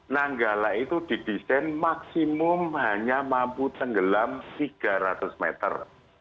nanggala itu didesain maksimum hanya mampu tenggelam tiga ratus meter